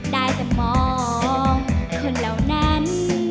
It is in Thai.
ได้แต่มองคนเหล่านั้น